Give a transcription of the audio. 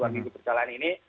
dua minggu perjalanan ini